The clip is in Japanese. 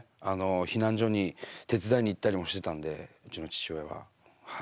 避難所に手伝いに行ったりもしてたんでうちの父親は。